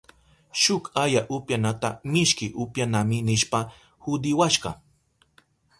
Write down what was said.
Shuk aya upyanata mishki upyanami nishpa hudiwashka.